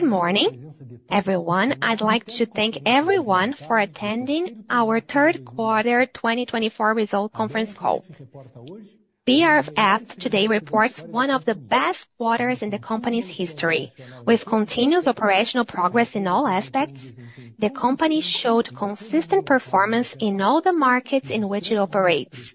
Good morning, everyone. I'd like to thank everyone for attending our Third Quarter 2024 Result Conference Call. BRF today reports one of the best quarters in the company's history. With continuous operational progress in all aspects, the company showed consistent performance in all the markets in which it operates.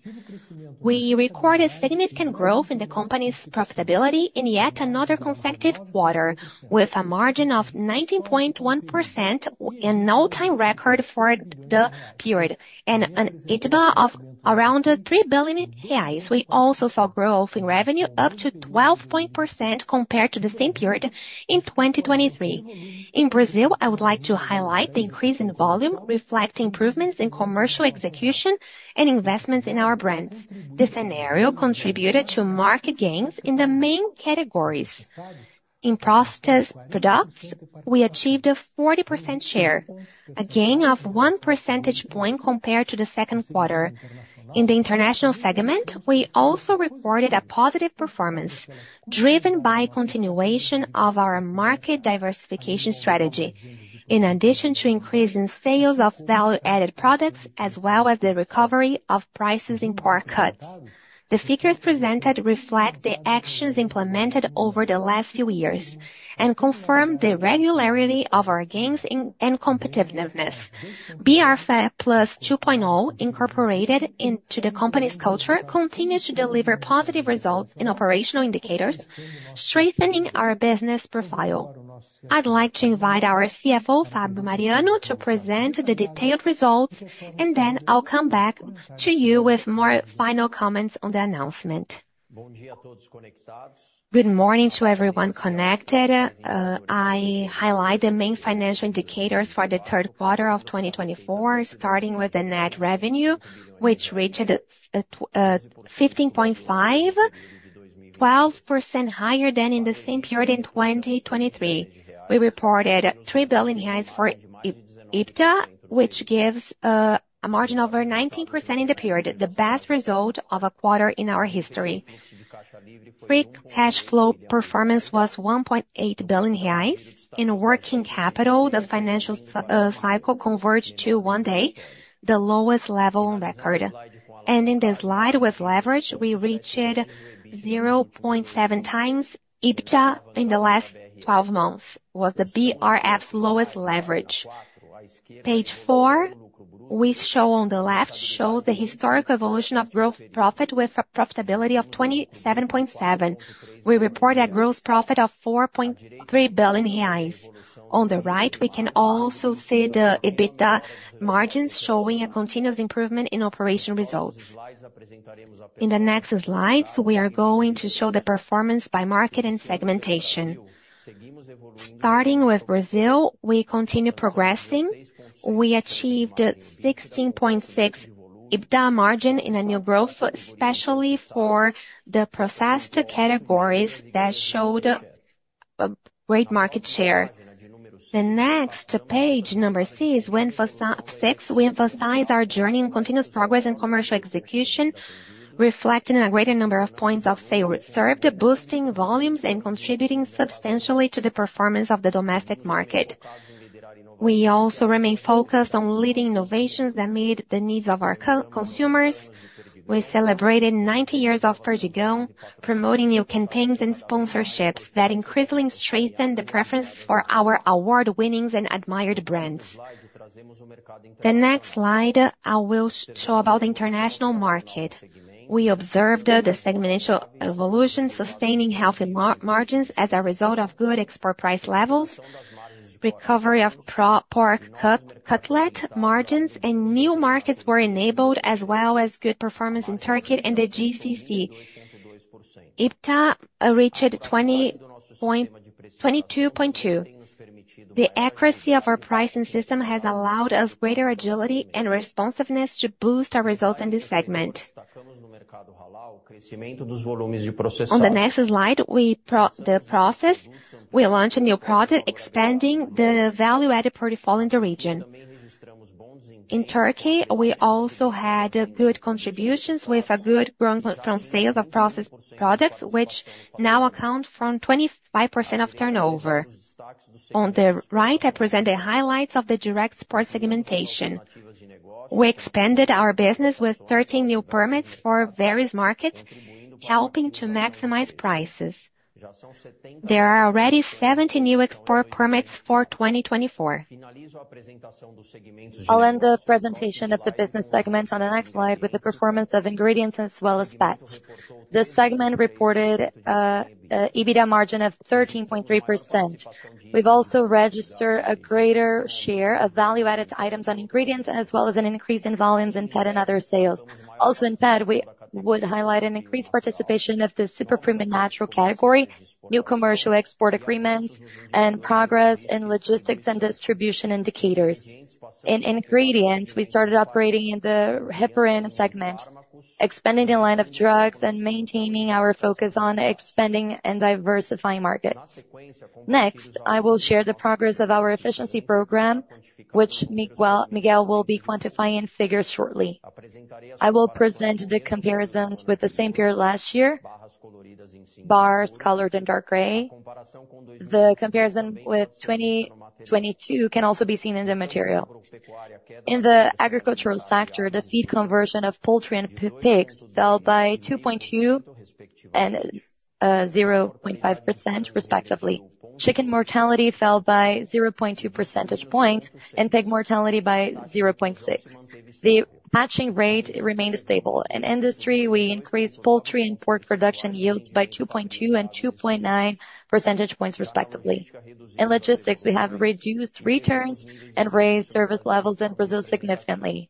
We recorded significant growth in the company's profitability in yet another consecutive quarter, with a margin of 19.1%, an all-time record for the period, and an EBITDA of around 3 billion reais. We also saw growth in revenue up to 12.0% compared to the same period in 2023. In Brazil, I would like to highlight the increase in volume, reflecting improvements in commercial execution and investments in our brands. This scenario contributed to market gains in the main categories. In processed products, we achieved a 40% share, a gain of one percentage point compared to the second quarter. In the international segment, we also recorded a positive performance, driven by the continuation of our market diversification strategy, in addition to an increase in sales of value-added products, as well as the recovery of prices in pork cuts. The figures presented reflect the actions implemented over the last few years and confirm the regularity of our gains and competitiveness. BRF+ 2.0, incorporated into the company's culture, continues to deliver positive results in operational indicators, strengthening our business profile. I'd like to invite our CFO, Fabio Mariano, to present the detailed results, and then I'll come back to you with more final comments on the announcement. [unintelligible] Bom dia a todos. Good morning to everyone connected. I highlight the main financial indicators for the third quarter of 2024, starting with the net revenue, which reached 15.5 billion, 12% higher than in the same period in 2023. We reported 3 billion reais for EBITDA, which gives a margin over 19% in the period, the best result of a quarter in our history. Free cash flow performance was 1.8 billion reais. In working capital, the financial cycle converged to one day, the lowest level on record. Ending the slide with leverage, we reached 0.7x EBITDA in the last 12 months, which was the BRF's lowest leverage. Page four, we show on the left, shows the historical evolution of gross profit with a profitability of 27.7%. We reported a gross profit of 4.3 billion reais. On the right, we can also see the EBITDA margins showing a continuous improvement in operational results. In the next slides, we are going to show the performance by market and segmentation. Starting with Brazil, we continue progressing. We achieved 16.6% EBITDA margin in a new growth, especially for the processed categories that showed a great market share. The next page, number six, we emphasize our journey in continuous progress and commercial execution, reflecting a greater number of points of sale reserved, boosting volumes and contributing substantially to the performance of the domestic market. We also remain focused on leading innovations that meet the needs of our consumers. We celebrated 90 years of Perdigão, promoting new campaigns and sponsorships that increasingly strengthen the preferences for our award-winning and admired brands. The next slide, I will show about the international market. We observed the segmentation evolution, sustaining healthy margins as a result of good export price levels, recovery of pork cutlet margins, and new markets were enabled, as well as good performance in Turkiye and the GCC EBITDA reached 22.2%. The accuracy of our pricing system has allowed us greater agility and responsiveness to boost our results in this segment. [unintelligible] On the next slide, the process, we launched a new project expanding the value-added portfolio in the region. In Turkiye, we also had good contributions with a good growth from sales of processed products, which now account for 25% of turnover. On the right, I present the highlights of the direct export segmentation. We expanded our business with 13 new permits for various markets, helping to maximize prices. There are already 70 new export permits for 2024. [unintelligible] I'll end the presentation of the business segments on the next slide with the performance of ingredients as well as pets. The segment reported EBITDA margin of 13.3%. We've also registered a greater share of value-added items on ingredients, as well as an increase in volumes in pet and other sales. Also in pet, we would highlight an increased participation of the super premium natural category, new commercial export agreements, and progress in logistics and distribution indicators. In ingredients, we started operating in the heparin segment, expanding the line of drugs and maintaining our focus on expanding and diversifying markets. Next, I will share the progress of our efficiency program, which Miguel will be quantifying in figures shortly. I will present the comparisons with the same period last year, bars colored in dark gray. The comparison with 2022 can also be seen in the material. In the agricultural sector, the feed conversion of poultry and pigs fell by 2.2% and 0.5%, respectively. Chicken mortality fell by 0.2 percentage points and pig mortality by 0.6%. The hatching rate remained stable. In industry, we increased poultry and pork production yields by 2.2% and 2.9 percentage points, respectively. In logistics, we have reduced returns and raised service levels in Brazil significantly.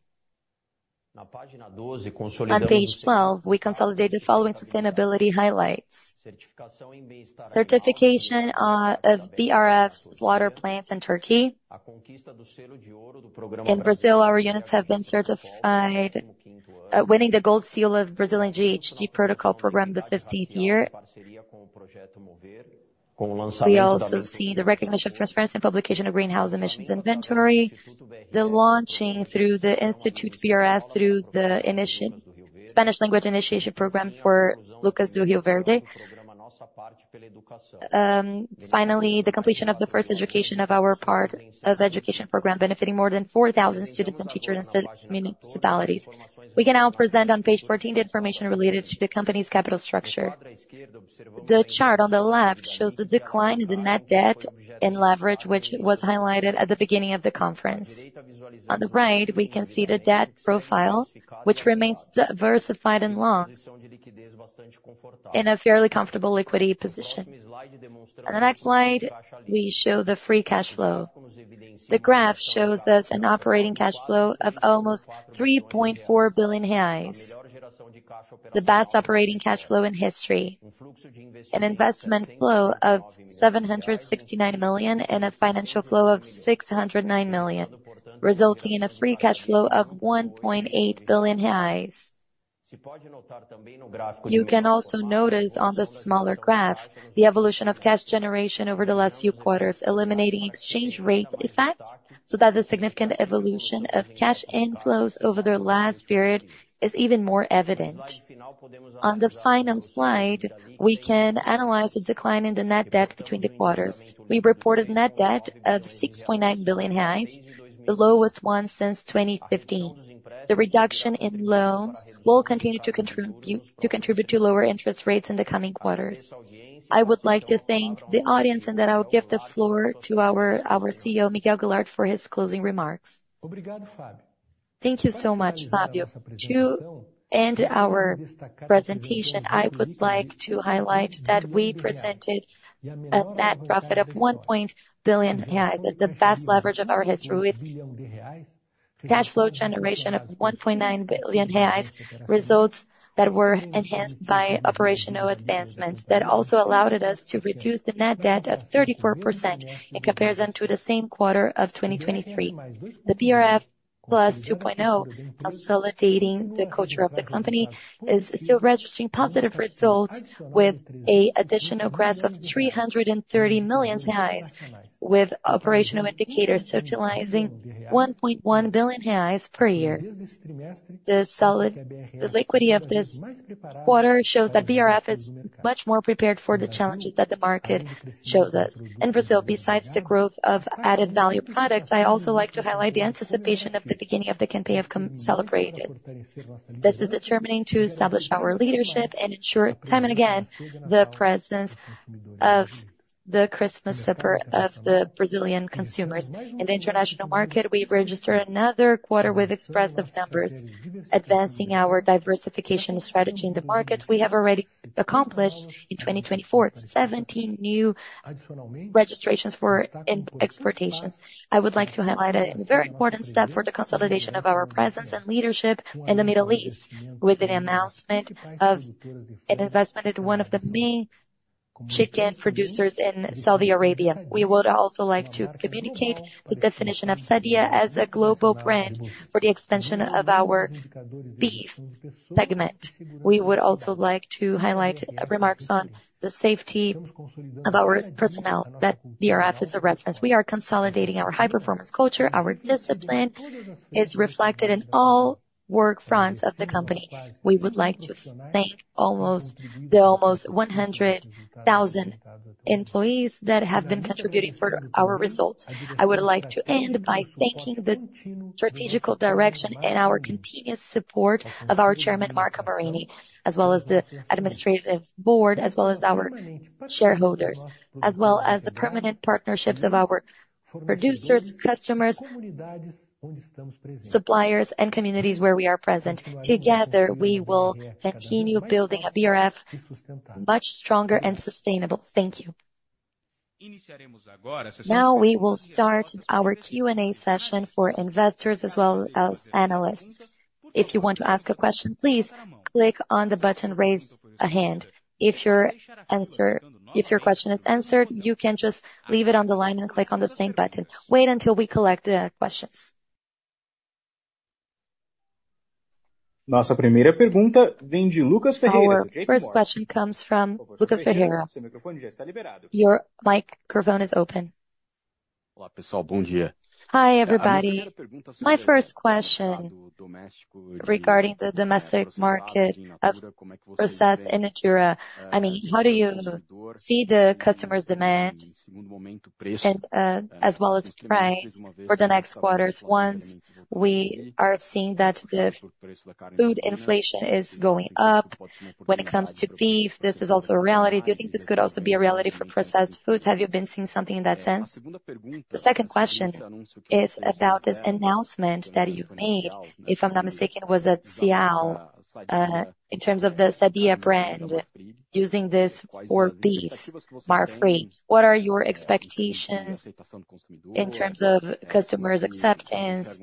[unintelligible] On page 12, we consolidated the following sustainability highlights: certification of BRF's slaughter plants in Turkiye. In Brazil, our units have been certified, winning the Gold Seal of Brazilian GHG Protocol Program the 15th year. We also see the recognition of transparency and publication of greenhouse emissions inventory, the launching through the Institute BRF through the Spanish language initiation program for Lucas do Rio Verde. Finally, the completion of the first education of our part of education program, benefiting more than 4,000 students and teachers in six municipalities. We can now present on page 14 the information related to the company's capital structure. The chart on the left shows the decline in the net debt and leverage, which was highlighted at the beginning of the conference. On the right, we can see the debt profile, which remains diversified and long in a fairly comfortable liquidity position. On the next slide, we show the free cash flow. The graph shows us an operating cash flow of almost 3.4 billion reais, the best operating cash flow in history, an investment flow of 769 million, and a financial flow of 609 million, resulting in a free cash flow of 1.8 billion reais. You can also notice on the smaller graph the evolution of cash generation over the last few quarters, eliminating exchange rate effects so that the significant evolution of cash inflows over the last period is even more evident. On the final slide, we can analyze the decline in the net debt between the quarters. We reported net debt of 6.9 billion, the lowest one since 2015. The reduction in loans will continue to contribute to lower interest rates in the coming quarters. I would like to thank the audience and that I will give the floor to our CEO, Miguel Gularte, for his closing remarks. Thank you so much, Fabio. To end our presentation, I would like to highlight that we presented a net profit of 1 billion reais, the best leverage of our history, with cash flow generation of 1.9 billion reais, results that were enhanced by operational advancements that also allowed us to reduce the net debt of 34% in comparison to the same quarter of 2023. The BRF+ 2.0, consolidating the culture of the company, is still registering positive results with an additional grasp of 330 million, with operational indicators totalizing 1.1 billion per year. The liquidity of this quarter shows that BRF is much more prepared for the challenges that the market shows us. In Brazil, besides the growth of added-value products, I also like to highlight the anticipation of the beginning of the campaign celebrated. This is determinant to establish our leadership and ensure time and again the presence of the Christmas supper of the Brazilian consumers. In the international market, we registered another quarter with expressive numbers, advancing our diversification strategy in the markets we have already accomplished in 2024, 17 new registrations for exportations. I would like to highlight a very important step for the consolidation of our presence and leadership in the Middle East, with the announcement of an investment in one of the main chicken producers in Saudi Arabia. We would also like to communicate the definition of Sadia as a global brand for the expansion of our beef segment. We would also like to highlight remarks on the safety of our personnel that BRF is a reference. We are consolidating our high-performance culture. Our discipline is reflected in all work fronts of the company. We would like to thank the almost 100,000 employees that have been contributing for our results. I would like to end by thanking the strategic direction and our continuous support of our Chairman Marcos Molina, as well as the Administrative Board, as well as our shareholders, as well as the permanent partnerships of our producers, customers, suppliers, and communities where we are present. Together, we will continue building a BRF much stronger and sustainable. Thank you. Now we will start our Q&A session for investors as well as analysts. If you want to ask a question, please click on the button "Raise a Hand." If your question is answered, you can just leave it on the line and click on the same button. Wait until we collect the questions. Nossa primeira pergunta vem de Lucas Ferreira. Our first question comes from Lucas Ferreira. Your microphone is open. Olá, pessoal, bom dia. Hi, everybody. My first question regarding the domestic market of processed in naturaI mean, how do you see the customer's demand as well as price for the next quarters once we are seeing that the food inflation is going up when it comes to beef? This is also a reality. Do you think this could also be a reality for processed foods? Have you been seeing something in that sense? The second question is about this announcement that you made, if I'm not mistaken, was at Sial. In terms of the Sadia brand using this for beef Marfrig What are your expectations in terms of customers' acceptance?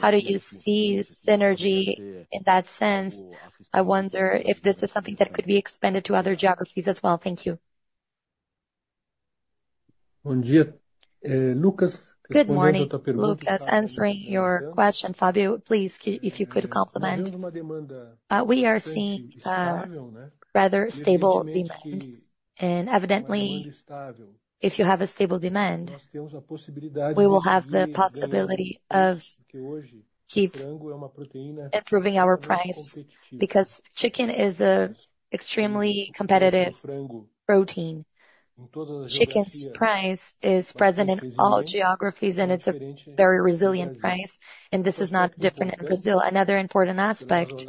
How do you see synergy in that sense? I wonder if this is something that could be expanded to other geographies as well. Thank you. Bom dia. Lucas. Good morning, Lucas. Answering your question, Fabio, please, if you could complement. We are seeing rather stable demand, and evidently, if you have a stable demand, we will have the possibility of improving our price because chicken is an extremely competitive protein. Chicken's price is present in all geographies, and it's a very resilient price, and this is not different in Brazil. Another important aspect,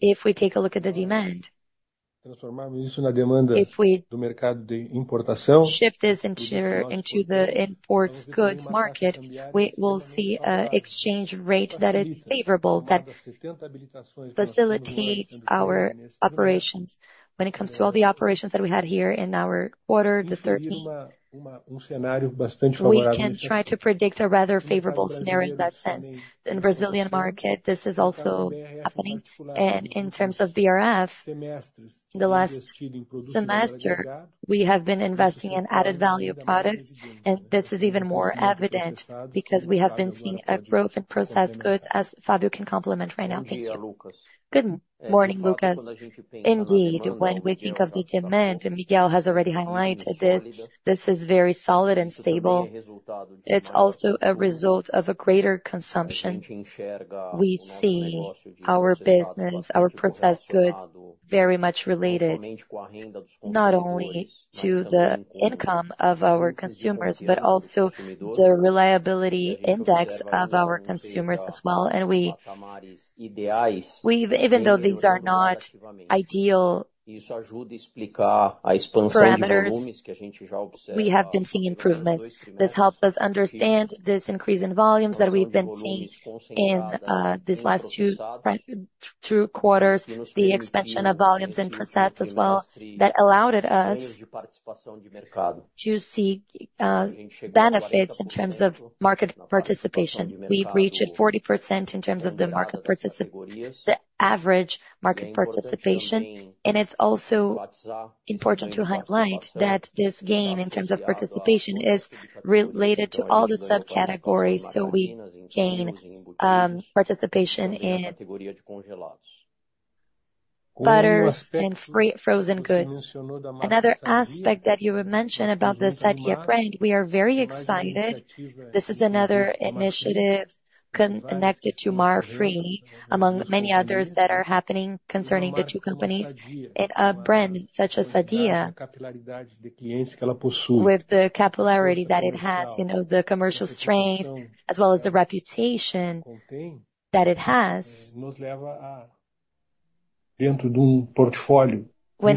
if we take a look at the demand, shift this into the imports goods market, we will see an exchange rate that is favorable, that facilitates our operations. When it comes to all the operations that we had here in our quarter the 13, we can try to predict a rather favorable scenario in that sense. In the Brazilian market, this is also happening. And In terms of BRF, in the last semester, we have been investing in added-value products, and this is even more evident because we have been seeing a growth in processed goods, as Fabio can complement right now. Thank you. Good morning, Lucas. Indeed, when we think of the demand, and Miguel has already highlighted that this is very solid and stable, it's also a result of a greater consumption. We see our business, our processed goods, very much related not only to the income of our consumers, but also the reliability index of our consumers as well. Even though these are not ideal parameters, we have been seeing improvements. This helps us understand this increase in volumes that we've been seeing in these last two quarters, the expansion of volumes in processed as well, that allowed us to see benefits in terms of market participation. We've reached 40% in terms of the average market participation. It's also important to highlight that this gain in terms of participation is related to all the subcategories. We gain participation in butters and frozen goods. Another aspect that you mentioned about the Sadia brand. We are very excited. This is another initiative connected to Marfrig, among many others that are happening concerning the two companies. And a brand such as Sadia, with the capillarity that it has, the commercial strength, as well as the reputation that it has, when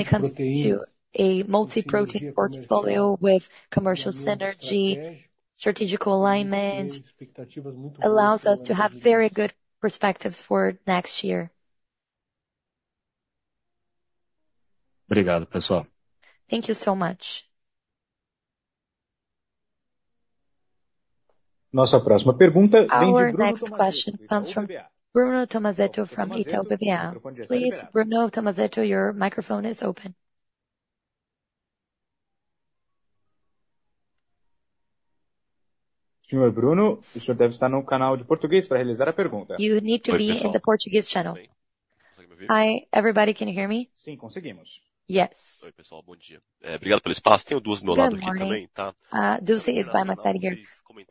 it comes to a multi-protein portfolio with commercial synergy, strategical alignment allows us to have very good perspectives for next year. Obrigado, pessoal. Thank you so much. Nossa próxima pergunta vem de Bruno. Our next question comes from Bruno Tomazetto from Itaú BBA. Please, Bruno Tomazetto, your microphone is open. [unintelligible] Senhor Bruno, o senhor deve estar no canal de português para realizar a pergunta. You need to be in the Portuguese channel. Hi, everybody, can you hear me? Sim, conseguimos. Yes. [unintelligible] Oi, pessoal, bom dia. Obrigado pelo espaço. Tenho duas do meu lado aqui também. Dulce is by my side here.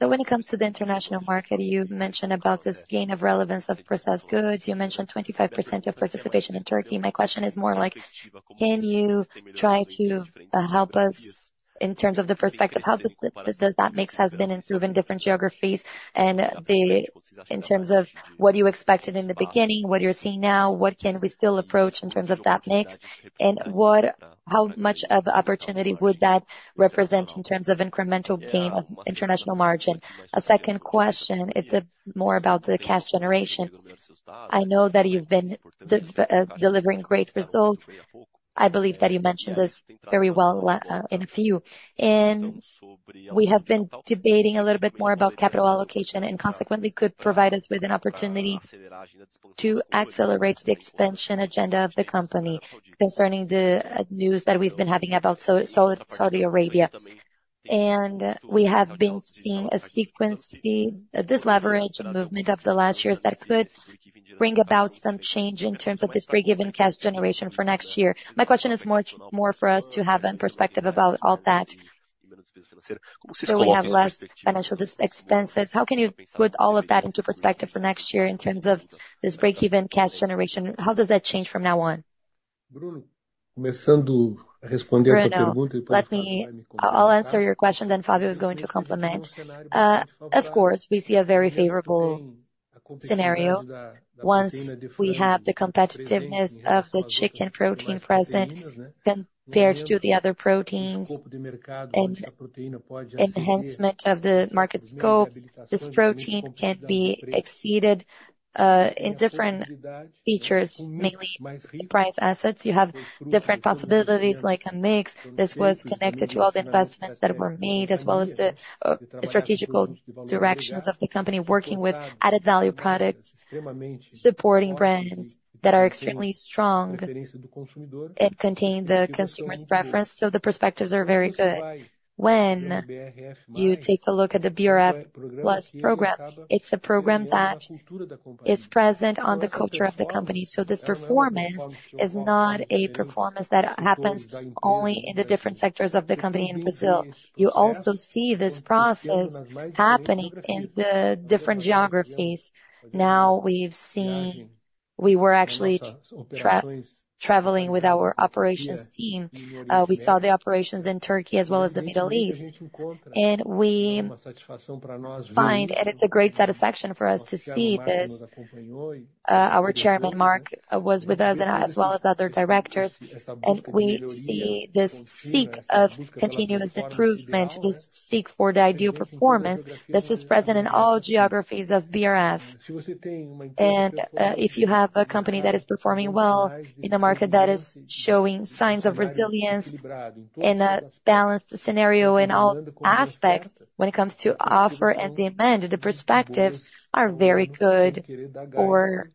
So when it comes to the international market, you mentioned about this gain of relevance of processed goods. You mentioned 25% of participation in Turkiye. My question is more like, can you try to help us in terms of the perspective? How does that mix have been improved in different geographies? And in terms of what you expected in the beginning, what you're seeing now, what can we still approach in terms of that mix? And how much of an opportunity would that represent in terms of incremental gain of international margin? A second question, it's more about the cash generation. I know that you've been delivering great results. I believe that you mentioned this very well in a few. And we have been debating a little bit more about capital allocation and consequently could provide us with an opportunity to accelerate the expansion agenda of the company concerning the news that we've been having about Saudi Arabia. And we have been seeing a sequence, this leverage movement of the last years that could bring about some change in terms of this break-even cash generation for next year. My question is more for us to have a perspective about all that. So we have less financial expenses. How can you put all of that into perspective for next year in terms of this break-even cash generation? How does that change from now on? Começando a responder à tua pergunta. Let me answer your question, then Fabio is going to complement. Of course, we see a very favorable scenario once we have the competitiveness of the chicken protein present compared to the other proteins and enhancement of the market scope. This protein can be exceeded in different features, mainly price assets. You have different possibilities like a mix. This was connected to all the investments that were made, as well as the strategic directions of the company working with added value products, supporting brands that are extremely strong and contain the consumer's preference. So the perspectives are very good. When you take a look at the BRF+ program, it's a program that is present on the culture of the company. So this performance is not a performance that happens only in the different sectors of the company in Brazil. You also see this process happening in the different geographies. Now we've seen we were actually traveling with our operations team. We saw the operations in Turkiye as well as the Middle East. And we find, and it's a great satisfaction for us to see this. Our chairman, Marcos, was with us, as well as other directors. And we see this search of continuous improvement, this search for the ideal performance that is present in all geographies of BRF. And if you have a company that is performing well in a market that is showing signs of resilience in a balanced scenario in all aspects, when it comes to offer and demand, the perspectives are very good for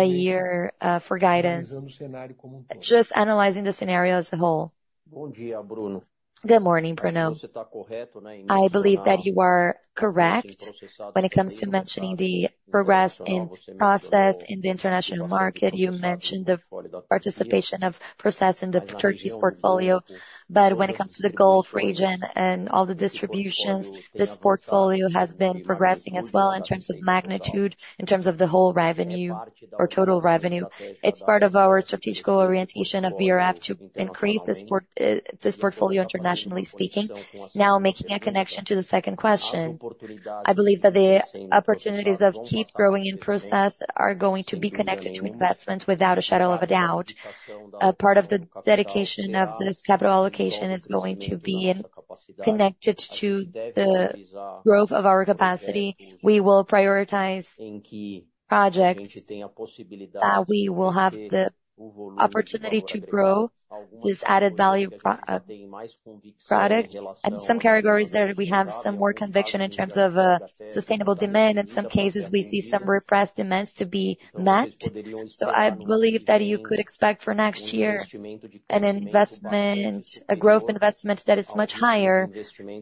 a year for guidance. Just analyzing the scenario as a whole. Good morning, Bruno. I believe that you are correct when it comes to mentioning the progress in process in the international market. You mentioned the participation of processed in Turkiye's portfolio, but when it comes to the Gulf region and all the distributions, this portfolio has been progressing as well in terms of magnitude, in terms of the whole revenue or total revenue. It's part of our strategic orientation of BRF to increase this portfolio internationally speaking. Now, making a connection to the second question, I believe that the opportunities of keep growing in processed are going to be connected to investments without a shadow of a doubt. Part of the dedication of this capital allocation is going to be connected to the growth of our capacity. We will prioritize projects that we will have the opportunity to grow this added value product, and some categories that we have some more conviction in terms of sustainable demand. In some cases, we see some repressed demands to be met. So I believe that you could expect for next year an investment, a growth investment that is much higher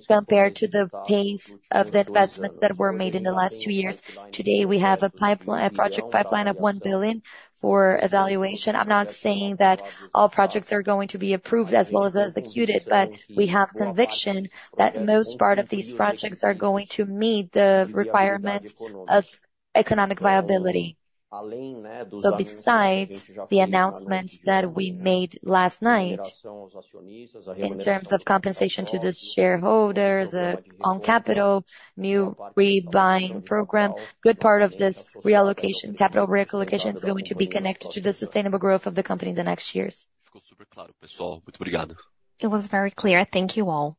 compared to the pace of the investments that were made in the last two years. Today, we have a project pipeline of 1 billion for evaluation. I'm not saying that all projects are going to be approved as well as executed, but we have conviction that most part of these projects are going to meet the requirements of economic viability. So besides the announcements that we made last night in terms of compensation to the shareholders, own capital, new rebuying program, a good part of this reallocation, capital reallocation is going to be connected to the sustainable growth of the company in the next years. It was very clear. Thank you all.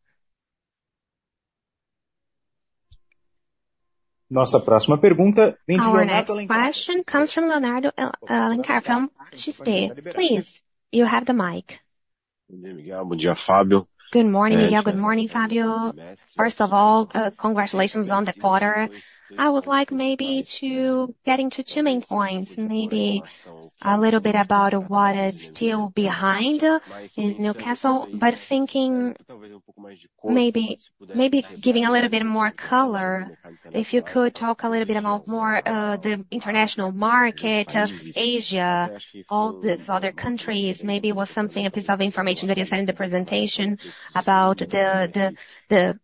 Nossa próxima pergunta. Our next question comes from Leonardo Alencar. She's there. Please, you have the mic. Bom dia, Fabio. Good morning, Miguel. Good morning, Fabio. First of all, congratulations on the quarter. I would like maybe to get into two main points, maybe a little bit about what is still behind in Newcastle, {foreign langugae} but thinking maybe giving a little bit more color. If you could talk a little bit about more the international market of Asia, all these other countries, maybe it was something, a piece of information that you said in the presentation about the pig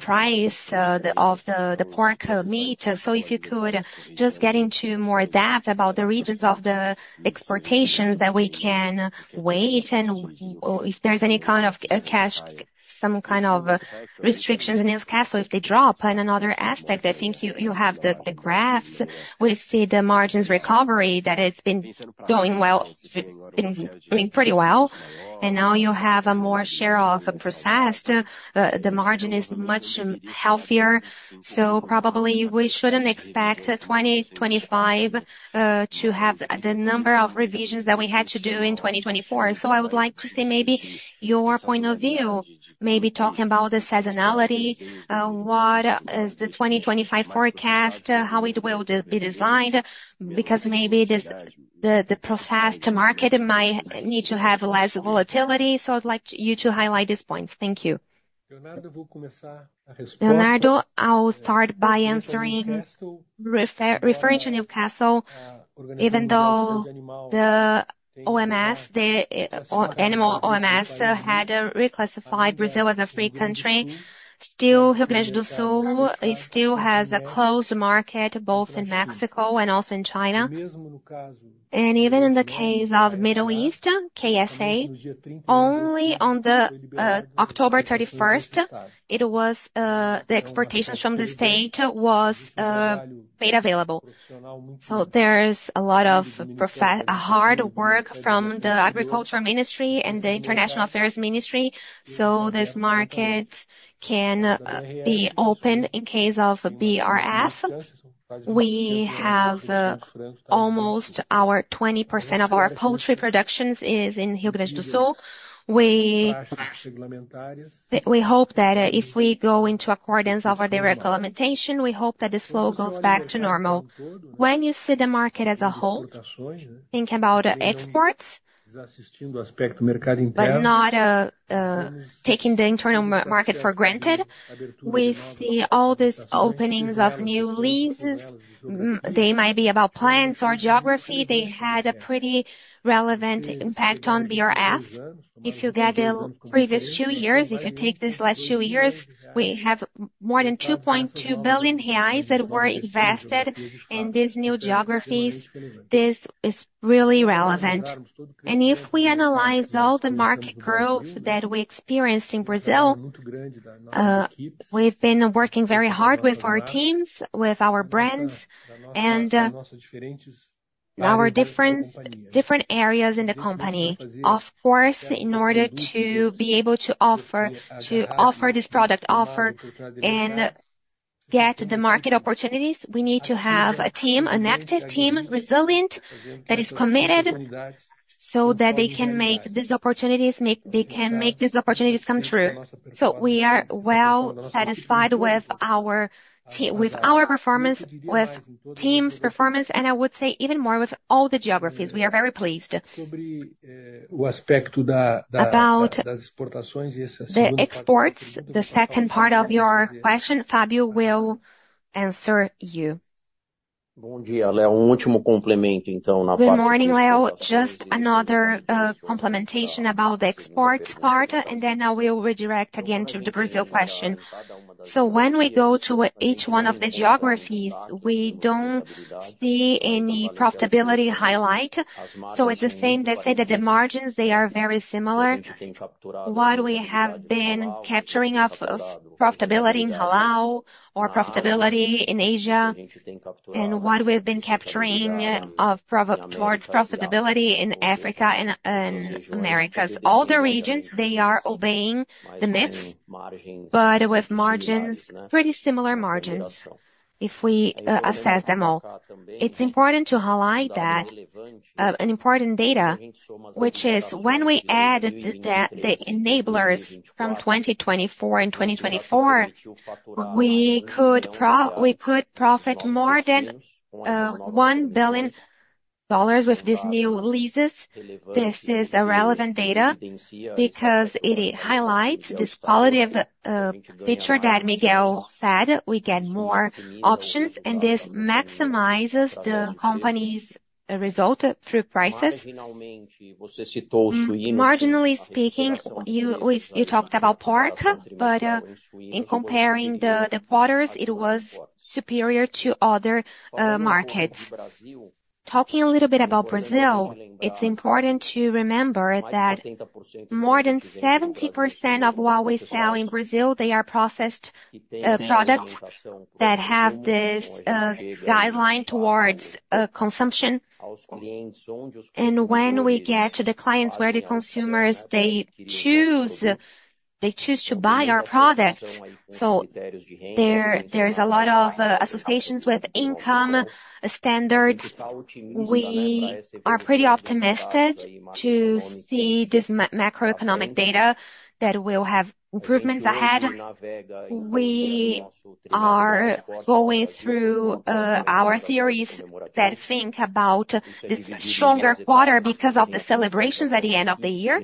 price of the pork meat. So if you could just get into more depth about the regions of the exportations that we can expect, and if there's any kind of catch, some kind of restrictions in Newcastle, if they drop. Another aspect, I think you have the graphs. We see the margins recovery that it's been doing well, doing pretty well, and now you have a more share of processed. The margin is much healthier. So probably we shouldn't expect 2025 to have the number of revisions that we had to do in 2024. So I would like to see maybe your point of view, maybe talking about the seasonality, what is the 2025 forecast, how it will be designed, because maybe the processed market might need to have less volatility. So I'd like you to highlight these points. Thank you. Leonardo, I'll start by answering, referring to Newcastle, even though the OMS, the animal OMS had had reclassified Brazil as a free country, still Rio Grande do Sul still has a closed market both in Mexico and also in China. And even in the case of Middle East, KSA, only on October 31st, the exports from the state were made available. So there's a lot of hard work from the Agriculture Ministry and the International Affairs Ministry so this market can be opened in case of BRF. We have almost 20% of our poultry productions in Rio Grande do Sul. We hope that if we go into accordance of our deregulation. Wwe hope that this flow goes back to normal. When you see the market as a whole, think about exports, but not taking the internal market for granted. We see all these openings of new leases. They might be about plants or geography. They had a pretty relevant impact on BRF. If you get the previous two years, if you take these last two years, we have more than 2.2 billion reais that were invested in these new geographies. This is really relevant. If we analyze all the market growth that we experienced in Brazil, we've been working very hard with our teams, with our brands, and our different areas in the company. Of course, in order to be able to offer this product, offer and get the market opportunities, we need to have a team, an active team, resilient, that is committed so that they can make these opportunities, they can make these opportunities come true. We are well satisfied with our performance, with teams' performance, and I would say even more with all the geographies. We are very pleased about the exports. The second part of your question, Fabio will answer you. Bom dia, Léo. Último complemento então na parte. Good morning, Léo. Just another complementation about the exports part, and then I will redirect again to the Brazil question. So when we go to each one of the geographies, we don't see any profitability highlight. So it's the same. They say that the margins, they are very similar. What we have been capturing of profitability in Halal or profitability in Asia, and what we've been capturing towards profitability in Africa and America. All the regions, they are obeying the mix, but with margins, pretty similar margins if we assess them all. It's important to highlight that an important data, which is when we add the enablers from 2024 and 2024, we could profit more than $1 billion with these new leases. This is relevant data because it highlights this quality of feature that Miguel said. We get more options, and this maximizes the company's result through prices. Marginally speaking, you talked about pork, but in comparing the quarters, it was superior to other markets. Talking a little bit about Brazil, it's important to remember that more than 70% of what we sell in Brazil, they are processed products that have this guideline towards consumption, and when we get to the clients where the consumers, they choose to buy our products, so there's a lot of associations with income standards. We are pretty optimistic to see this macroeconomic data that we'll have improvements ahead. We are going through our theories that think about this stronger quarter because of the celebrations at the end of the year.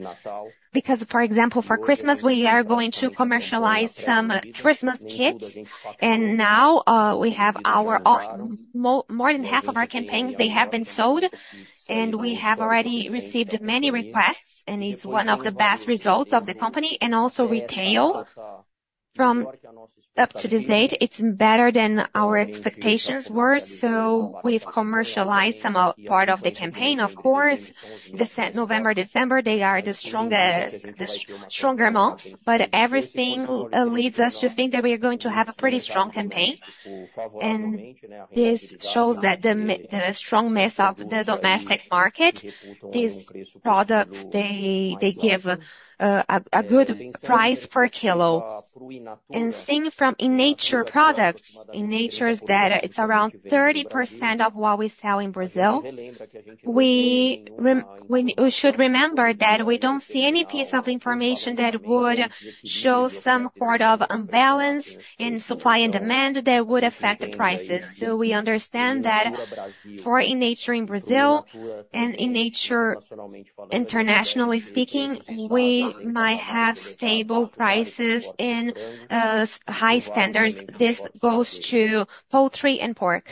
Because, for example, for Christmas, we are going to commercialize some Christmas kits. And now we have more than half of our campaigns; they have been sold, and we have already received many requests, and it's one of the best results of the company. And also retail, from up to this date, it's better than our expectations were. So we've commercialized some part of the campaign, of course. November, December, they are the stronger months, but everything leads us to think that we are going to have a pretty strong campaign. And this shows that the strongness of the domestic market; these products, they give a good price per kilo. And seeing from in Natura products, in Natura's data, it's around 30% of what we sell in Brazil. We should remember that we don't see any piece of information that would show some sort of imbalance in supply and demand that would affect the prices. We understand that for in Natura in Brazil and in Natura internationally speaking, we might have stable prices and high standards. This goes to poultry and pork.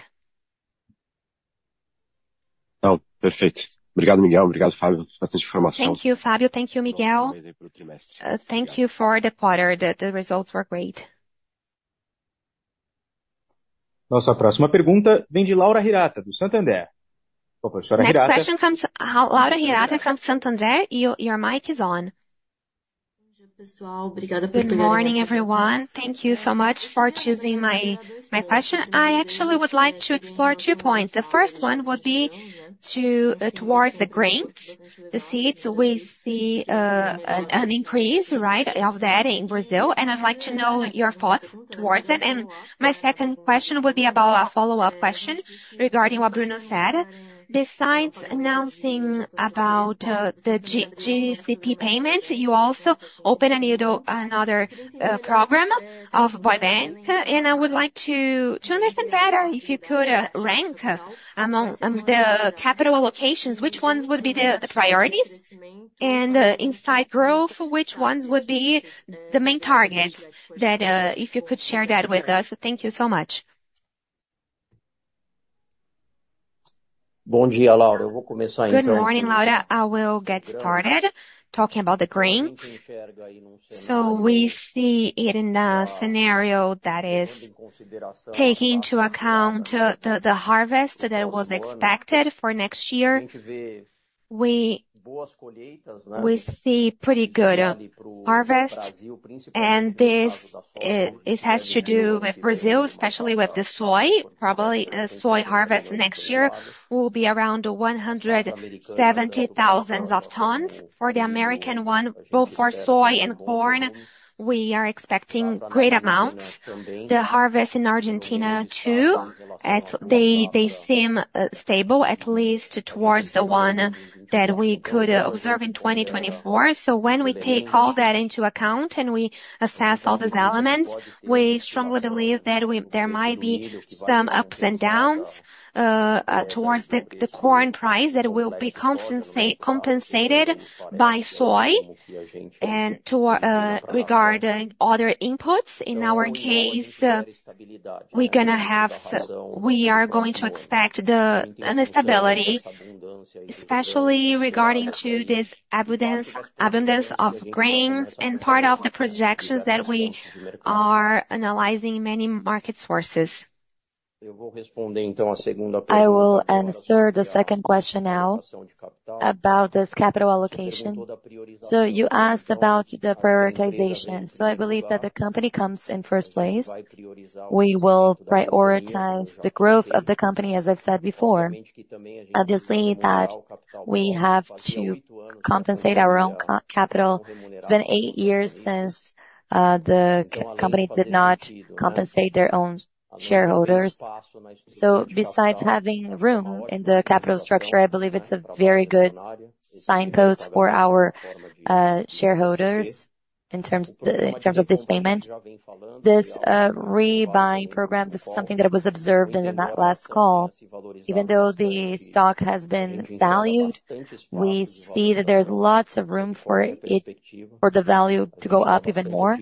Perfeito. Obrigado, Miguel. Obrigado, Fabio. Bastante informação. Thank you, Fabio. Thank you, Miguel. Thank you for the quarter. The results were great. Nossa próxima pergunta vem de Laura Hirata, do Santander. This question comes from Guilherme Palhares from Santander. Your mic is on. Bom dia, pessoal. Obrigada por pegar a tela. Good morning, everyone. Thank you so much for choosing my question. I actually would like to explore two points. The first one would be towards the grains, the seeds. We see an increase of that in Brazil, and I'd like to know your thoughts towards that, and my second question would be about a follow-up question regarding what Bruno said. Besides announcing about the GCP payment, you also opened another program of buyback, and I would like to understand better if you could rank among the capital allocations, which ones would be the priorities, and inside growth, which ones would be the main targets? If you could share that with us. Thank you so much. Bom dia, Guilherme. Eu vou começar então. Good morning, Guilherme get started talking about the grains, so we see it in a scenario that is taking into account the harvest that was expected for next year. We see pretty good harvest, and this has to do with Brazil, especially with the soy. Probably soy harvest next year will be around 170,000 tons for the American one. Both for soy and corn, we are expecting great amounts. The harvest in Argentina too, they seem stable, at least towards the one that we could observe in 2024. So when we take all that into account and we assess all these elements, we strongly believe that there might be some ups and downs towards the corn price that will be compensated by soy. Regarding other inputs, in our case, we are going to expect the stability, especially regarding this abundance of grains and part of the projections that we are analyzing in many market sources. Eu vou responder então a segunda pergunta. I will answer the second question now about this capital allocation. So you asked about the prioritization. So I believe that the company comes in first place. We will prioritize the growth of the company, as I've said before. Obviously, that we have to compensate our own capital. It's been eight years since the company did not compensate their own shareholders. So besides having room in the capital structure, I believe it's a very good signpost for our shareholders in terms of this payment. This rebuying program, this is something that was observed in that last call. Even though the stock has been valued, we see that there's lots of room for the value to go up even more.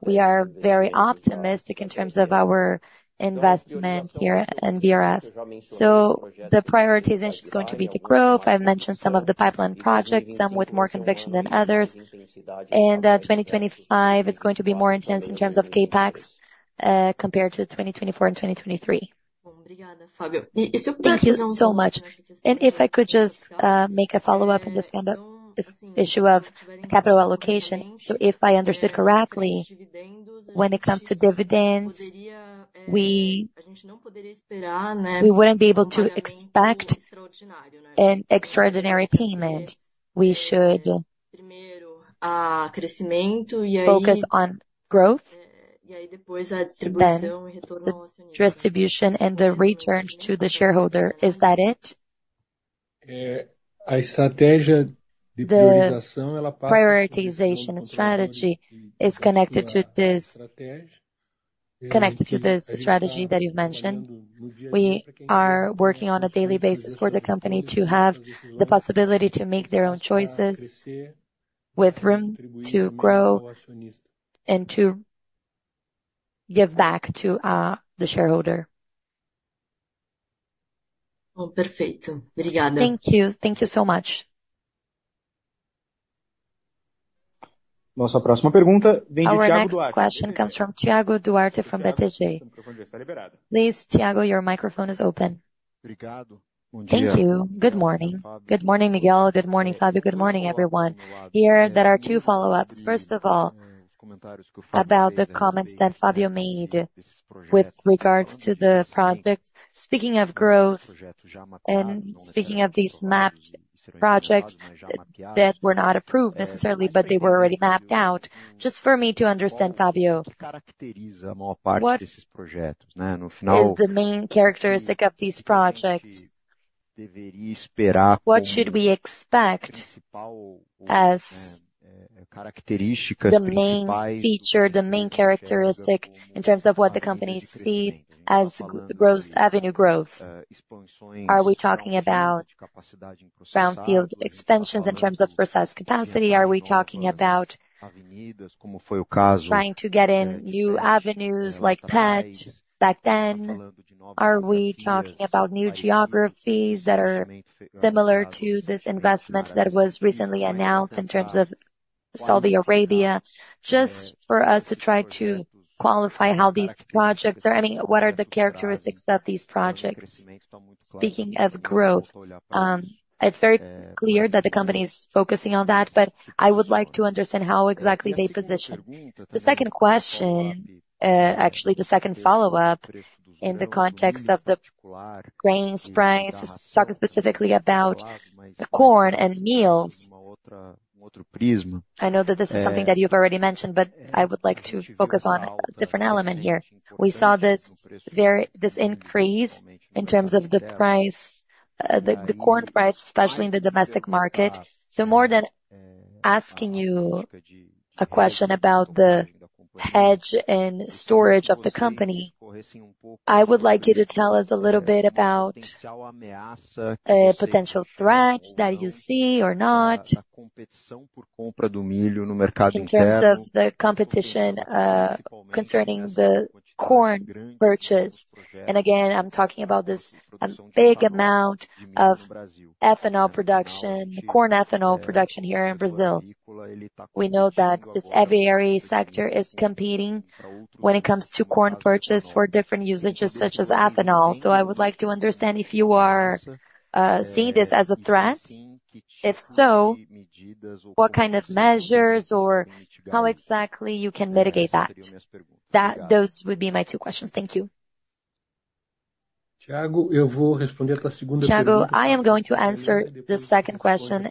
We are very optimistic in terms of our investment here in BRF. So the prioritization is going to be the growth. I've mentioned some of the pipeline projects, some with more conviction than others. And 2025, it's going to be more intense in terms of CapEx compared to 2024 and 2023. Obrigada, Fabio. Thank you so much. And if I could just make a follow-up on this issue of capital allocation. So if I understood correctly, when it comes to dividends, we wouldn't be able to expect an extraordinary payment. We should focus on growth, distribution, and the return to the shareholder. Is that it? A estratégia de priorização, ela passa. Prioritization strategy is connected to this strategy that you've mentioned. We are working on a daily basis for the company to have the possibility to make their own choices with room to grow and to give back to the shareholder. Perfeito. Obrigada. Thank you. Thank you so much. Nossa próxima pergunta vem de Thiago Duarte. Our next question comes from Thiago Duarte from BTG. Please, Thiago, your microphone is open. Thank you. Good morning. Good morning, Miguel. Good morning, Fabio. Good morning, everyone. Here, there are two follow-ups. First of all, about the comments that Fabio made with regards to the projects. Speaking of growth and speaking of these mapped projects that were not approved necessarily, but they were already mapped out. Just for me to understand, Fabio, what is the main characteristic of these projects? What should we expect as the main feature, the main characteristic in terms of what the company sees as avenue growth? Are we talking about brownfield expansions in terms of precise capacity? Are we talking about trying to get in new avenues like pet back then? Are we talking about new geographies that are similar to this investment that was recently announced in terms of Saudi Arabia? Just for us to try to qualify how these projects are, I mean, what are the characteristics of these projects? Speaking of growth, it's very clear that the company is focusing on that, but I would like to understand how exactly they position. The second question, actually the second follow-up in the context of the grains price, talking specifically about the corn and meals. I know that this is something that you've already mentioned, but I would like to focus on a different element here. We saw this increase in terms of the corn price, especially in the domestic market. So more than asking you a question about the hedge and storage of the company, I would like you to tell us a little bit about a potential threat that you see or not. In terms of the competition concerning the corn purchase. Again, I'm talking about this big amount of ethanol production, corn ethanol production here in Brazil. We know that this heavy sector is competing when it comes to corn purchase for different usages such as ethanol. I would like to understand if you are seeing this as a threat. If so, what kind of measures or how exactly you can mitigate that? Those would be my two questions. Thank you. Thiago, I am going to answer the second question.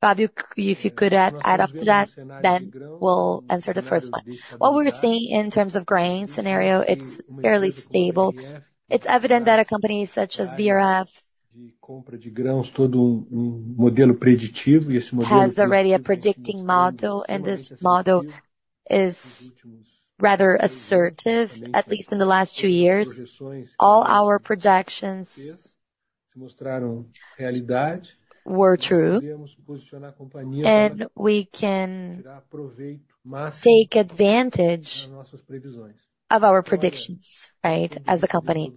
Fabio, if you could add up to that, then we'll answer the first one. What we're seeing in terms of grain scenario, it's fairly stable. It's evident that a company such as BRF. Has already a predictive model. has already a predictive model, and this model is rather assertive, at least in the last two years. All our projections were true, and we can take advantage of our predictions as a company.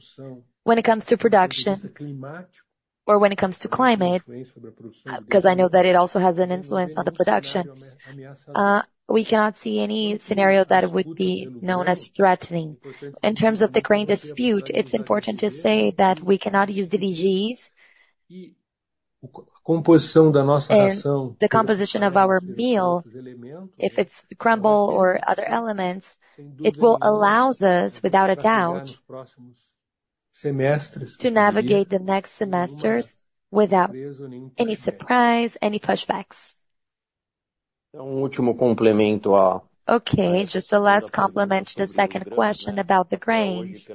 When it comes to production or when it comes to climate, because I know that it also has an influence on the production, we cannot see any scenario that would be known as threatening. In terms of the grain dispute, it's important to say that we cannot use DDGs. The composition of our meal, if it's crumble or other elements, it will allow us, without a doubt, to navigate the next semesters without any surprise, any pushbacks. Okay, just the last complement to the second question about the grains.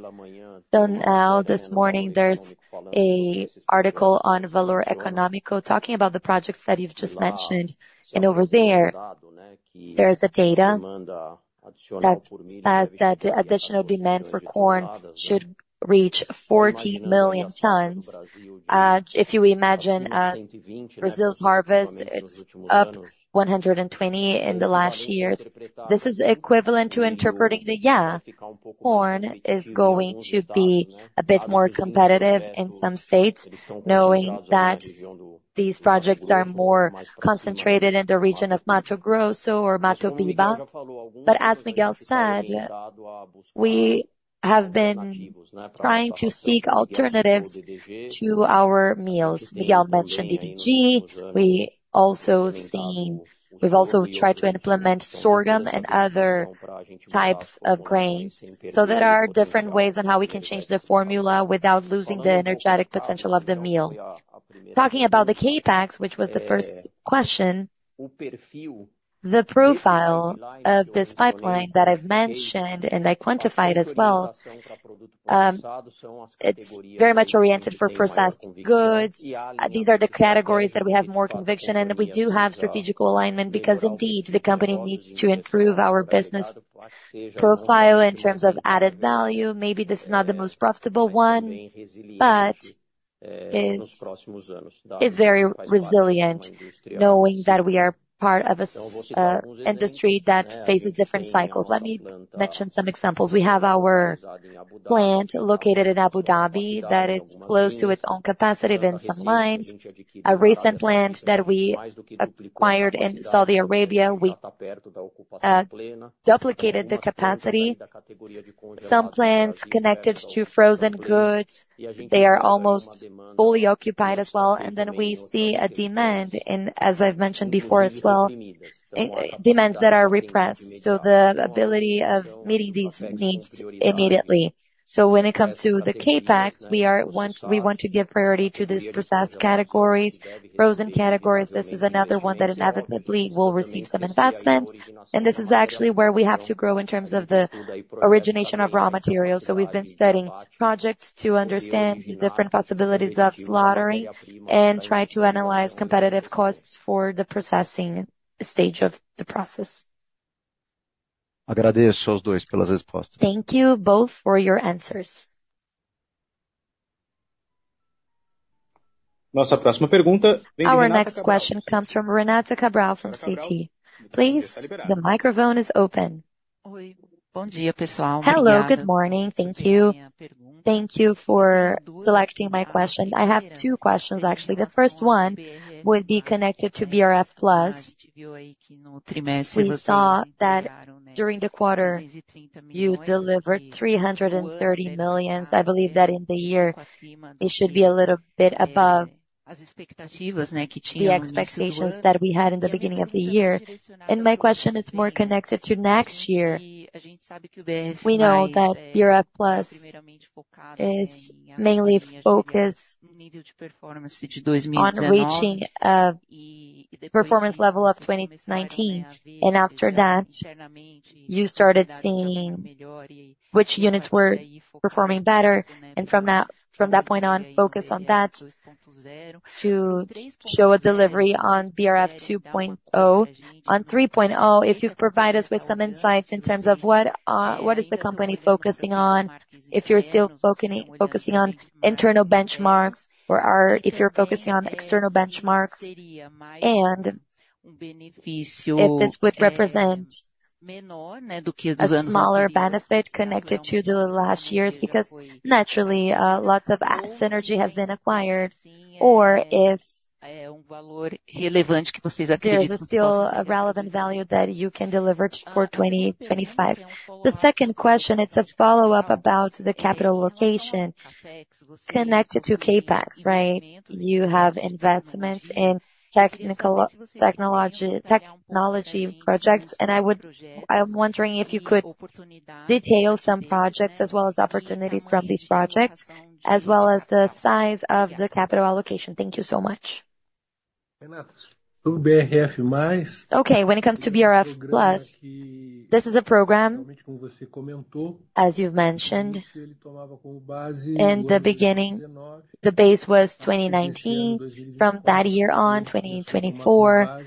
So now this morning, there's an article on Valor Econômico talking about the projects that you've just mentioned. And over there, there is data that says that the additional demand for corn should reach 40 million tons. If you imagine Brazil's harvest, it's up 120 in the last years. This is equivalent to interpreting the, yeah, corn is going to be a bit more competitive in some states, knowing that these projects are more concentrated in the region of Mato Grosso or Matopiba. But as Miguel said, we have been trying to seek alternatives to our meals. Miguel mentioned DDG. We also see, we've also tried to implement sorghum and other types of grains. So there are different ways on how we can change the formula without losing the energetic potential of the meal. Talking about the CapEx, which was the first question, the profile of this pipeline that I've mentioned and I quantified as well, it's very much oriented for processed goods. These are the categories that we have more conviction in. And we do have strategic alignment because indeed the company needs to improve our business profile in terms of added-value. Maybe this is not the most profitable one, but it's very resilient, knowing that we are part of an industry that faces different cycles. Let me mention some examples. We have our plant located in Abu Dhabi that is close to its own capacity in some lines. A recent plant that we acquired in Saudi Arabia. We duplicated the capacity. Some plants connected to frozen goods. They are almost fully occupied as well. And then we see a demand, as I've mentioned before as well, demands that are repressed. So the ability of meeting these needs immediately. So when it comes to the CapEx, we want to give priority to these processed categories, frozen categories. This is another one that inevitably will receive some investments. And this is actually where we have to grow in terms of the origination of raw material. So we've been studying projects to understand different possibilities of slaughtering and try to analyze competitive costs for the processing stage of the process. Agradeço aos dois pelas respostas. Thank you both for your answers. Our next question comes from Renata Cabral from Citi. Please, the microphone is open. Hello, good morning. Thank you. Thank you for selecting my question. I have two questions, actually. The first one would be connected to BRF+. We saw that during the quarter, you delivered 330 million. I believe that in the year, it should be a little bit above the expectations that we had in the beginning of the year, and my question is more connected to next year. We know that BRF+ is mainly focused on reaching a performance level of 2019, and after that, you started seeing which units were performing better, and from that point on, focus on that to show a delivery on BRF 2.0. On 3.0, if you provide us with some insights in terms of what is the company focusing on, if you're still focusing on internal benchmarks or if you're focusing on external benchmarks, and if this would represent a smaller benefit connected to the last years because naturally, lots of synergy has been acquired, or if there's still a relevant value that you can deliver for 2025? The second question, it's a follow-up about the capital allocation connected to CapEx, right? You have investments in technology projects, and I'm wondering if you could detail some projects as well as opportunities from these projects, as well as the size of the capital allocation. Thank you so much. Okay, when it comes to BRF+, this is a program, as you've mentioned in the beginning. The base was 2019. From that year on, 2024,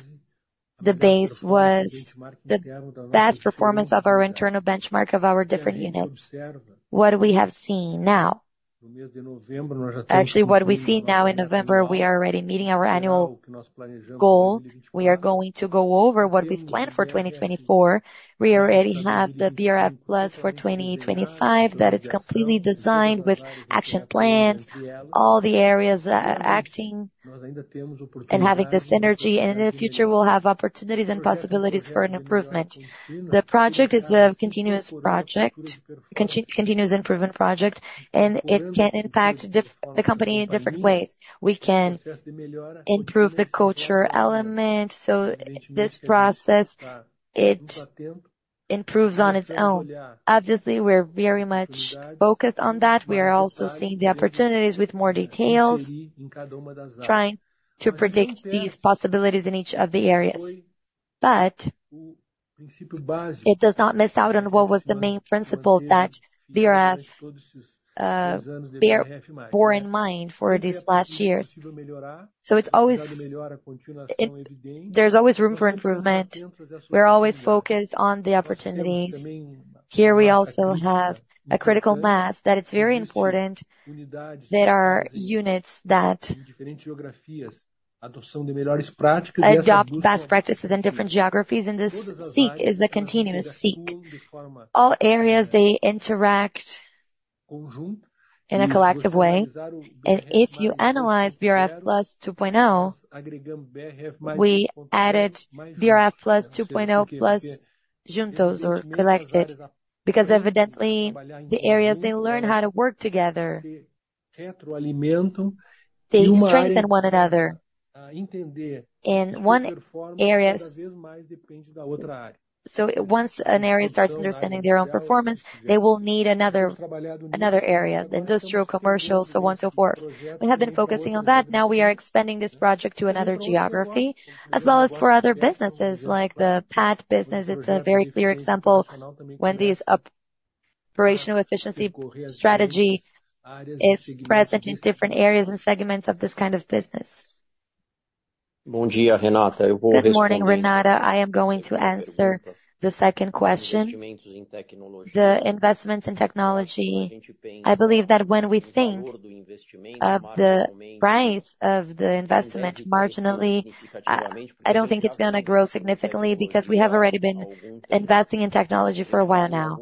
the base was the best performance of our internal benchmark of our different units. What we have seen now, actually, what we see now in November, we are already meeting our annual goal. We are going to go over what we've planned for 2024. We already have the BR+ for 2025 that is completely designed with action plans, all the areas acting and having the synergy, and in the future, we'll have opportunities and possibilities for improvement. The project is a continuous project, continuous improvement project, and it can impact the company in different ways. We can improve the culture element, so this process, it improves on its own. Obviously, we're very much focused on that. We are also seeing the opportunities with more details, trying to predict these possibilities in each of the areas. But it does not miss out on what was the main principle that BRF bore in mind for these last years. So there's always room for improvement. We're always focused on the opportunities. Here we also have a critical mass that it's very important that our units that adopt best practices in different geographies. And this seek is a continuous seek. All areas, they interact in a collective way. And if you analyze BRF+ 2.0, we added BRF+ 2.0 plus [unintelligible] or collected because evidently the areas, they learn how to work together, [unintelligible] they strengthen one another. And one area's dependence on the other area. So once an area starts understanding their own performance, they will need another area, the industrial, commercial, so on and so forth. We have been focusing on that. Now we are expanding this project to another geography, as well as for other businesses like the pet business. It's a very clear example when this operational efficiency strategy is present in different areas and segments of this kind of business. [unintelligible] Good morning, Renata. I am going to answer the second question. The investments in technology, I believe that when we think of the price of the investment marginally, I don't think it's going to grow significantly because we have already been investing in technology for a while now.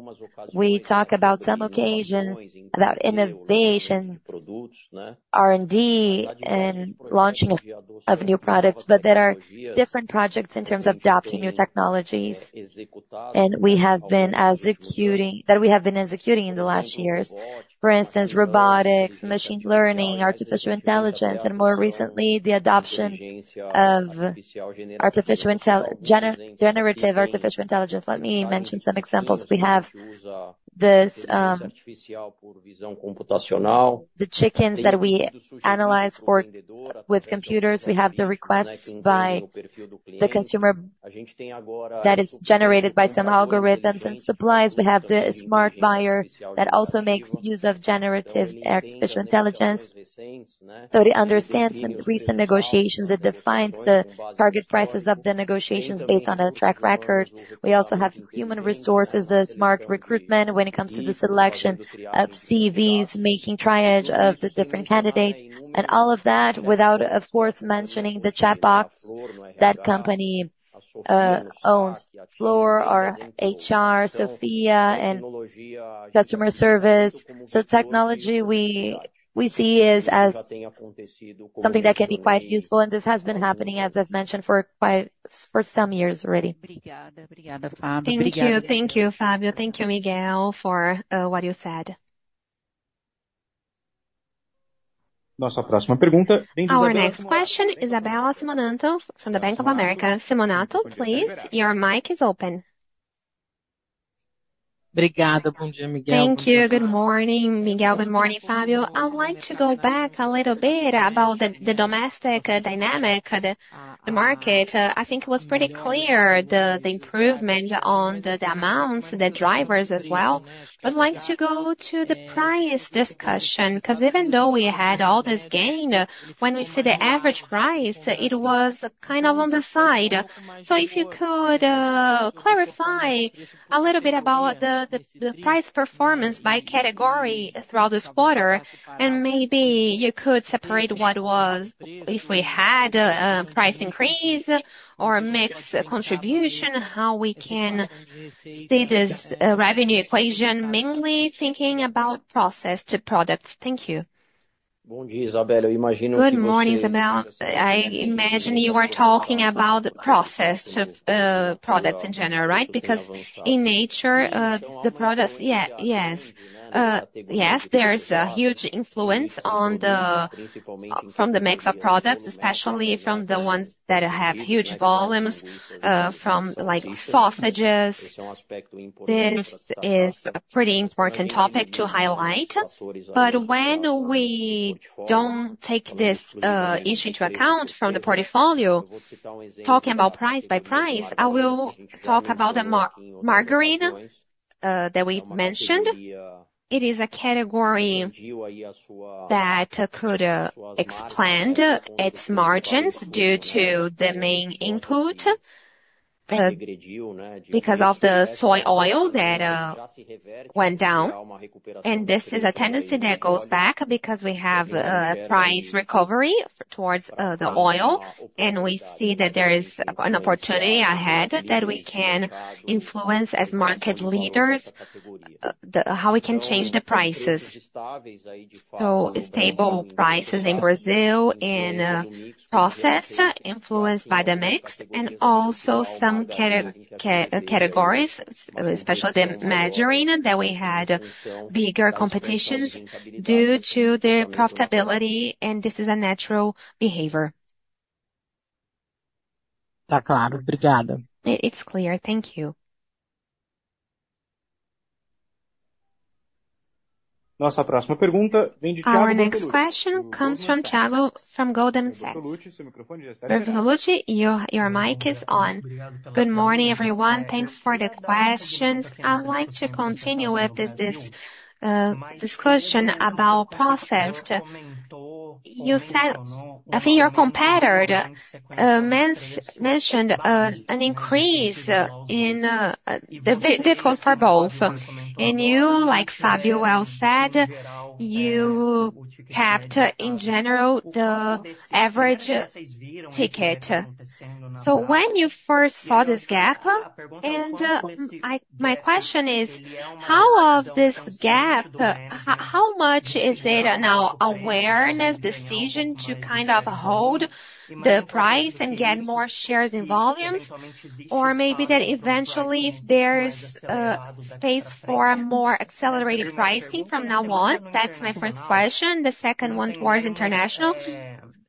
We talk about some occasions about innovation, R&D, and launching of new products, but there are different projects in terms of adopting new technologies that we have been executing in the last years. For instance, robotics, machine learning, artificial intelligence, and more recently, the adoption of generative artificial intelligence. Let me mention some examples. We have the chickens that we analyze with computers. We have the requests by the consumer that is generated by some algorithms and supplies. We have the Smart Buyer that also makes use of generative artificial intelligence. So it understands the recent negotiations. It defines the target prices of the negotiations based on the track record. We also have human resources, smart recruitment when it comes to the selection of CVs, making triage of the different candidates, and all of that without, of course, mentioning the chat box that company owns, Flora, our HR, Sophia, and customer service. So technology we see is something that can be quite useful. And this has been happening, as I've mentioned, for some years already. Thank you. Thank you, Fabio. Thank you, Miguel, for what you said. Our next question is Isabella Simonato from Bank of America. Simonato, please, your mic is open. [unintelligible] Obrigado. Bom dia, Miguel. Thank you. Good morning, Miguel. Good morning, Fabio. I'd like to go back a little bit about the domestic dynamic of the market. I think it was pretty clear the improvement on the amounts, the drivers as well. I'd like to go to the price discussion because even though we had all this gain, when we see the average price, it was kind of on the side. So if you could clarify a little bit about the price performance by category throughout this quarter, and maybe you could separate what was, if we had a price increase or a mixed contribution, how we can see this revenue equation, mainly thinking about processed products. Thank you. [unintelligible] Bom dia, Isabella. Good morning, Isabel. I imagine you are talking about the processed products in general, right? Because in Natura, the products, yes, yes, there's a huge influence from the mix of products, especially from the ones that have huge volumes, from like sausages. This is a pretty important topic to highlight. But when we don't take this issue into account from the portfolio, talking about price by price, I will talk about the margarine that we mentioned. It is a category that could expand its margins due to the main input because of the soy oil that went down, and this is a tendency that goes back because we have a price recovery towards the oil, and we see that there is an opportunity ahead that we can influence as market leaders how we can change the prices. So, stable prices in Brazil and processed, influenced by the mix, and also some categories, especially the margarine that we had bigger competitions due to the profitability, and this is a natural behavior. Obrigado. It's clear. Thank you. Our next question comes from Thiago from Goldman Sachs. Your mic is on. Good morning, everyone. Thanks for the questions. I'd like to continue with this discussion about processed. I think your competitor mentioned an increase in the difficulty for both, and you, like Fabio well said, you kept in general the average ticket, so when you first saw this gap, my question is, how of this gap, how much is it now awareness, decision to kind of hold the price and get more shares in volumes, or maybe that eventually if there's space for more accelerated pricing from now on? That's my first question. The second one was international.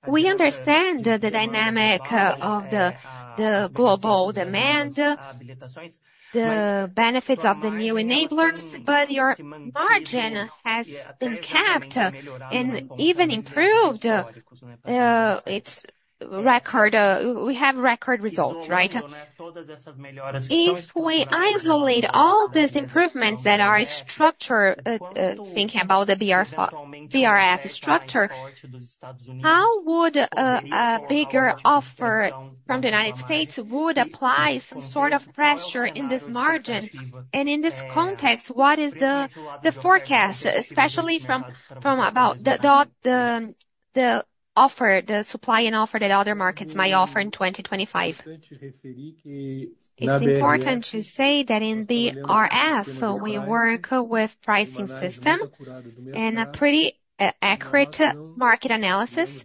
We understand the dynamic of the global demand, the benefits of the new enablers, but your margin has been kept and even improved its record. We have record results, right? If we isolate all these improvements that are structured, thinking about the BRF structure, how would a bigger offer from the United States apply some sort of pressure in this margin? In this context, what is the forecast, especially from about the offer, the supply and offer that other markets might offer in 2025? It's important to say that in BRF, we work with pricing system and a pretty accurate market analysis,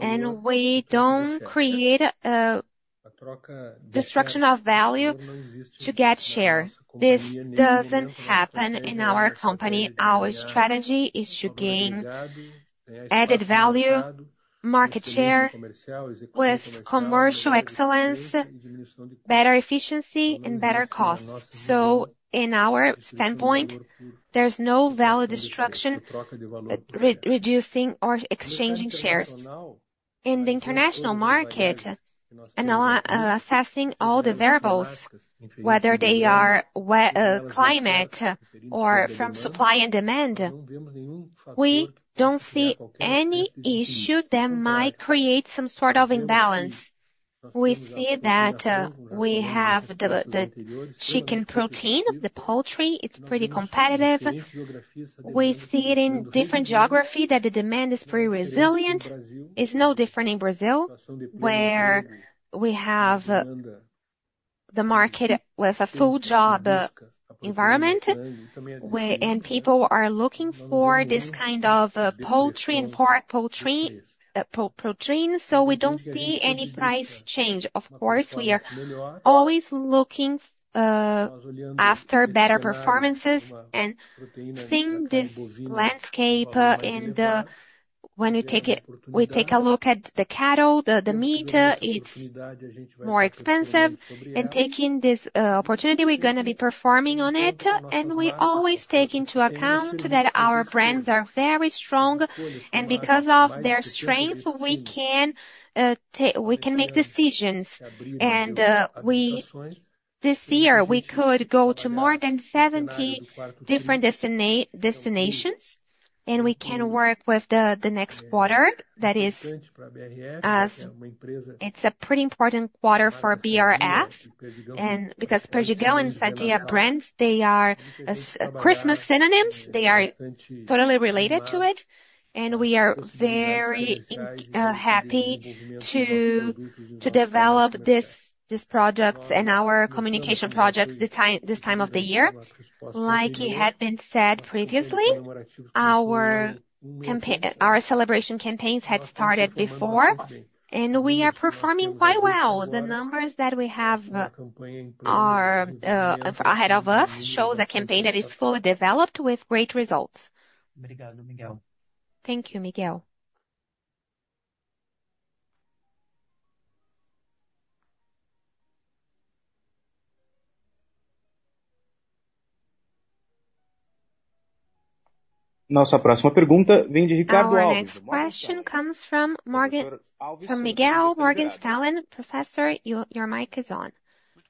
and we don't create a destruction of value to get share. This doesn't happen in our company. Our strategy is to gain added value, market share with commercial excellence, better efficiency, and better costs, so in our standpoint, there's no value destruction, reducing or exchanging shares. In the international market, assessing all the variables, whether they are climate or from supply and demand, we don't see any issue that might create some sort of imbalance. We see that we have the chicken protein, the poultry. It's pretty competitive. We see it in different geographies that the demand is pretty resilient. It's no different in Brazil, where we have the market with a full job environment, and people are looking for this kind of poultry and pork poultry. So we don't see any price change. Of course, we are always looking after better performances. And seeing this landscape, when we take a look at the cattle, the meat, it's more expensive. And taking this opportunity, we're going to be performing on it. And we always take into account that our brands are very strong. And because of their strength, we can make decisions. And this year, we could go to more than 70 different destinations, and we can work with the next quarter. That is, it's a pretty important quarter for BRF because Perdigão and Sadia brands, they are Christmas synonyms. They are totally related to it. And we are very happy to develop these products and our communication projects this time of the year. Like it had been said previously, our celebration campaigns had started before, and we are performing quite well. The numbers that we have ahead of us show a campaign that is fully developed with great results. Thank you, Miguel. Our next question comes from Ricardo Alves, professor. Your mic is on.